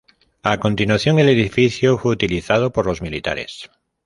A continuación, el edificio fue utilizado por los militares.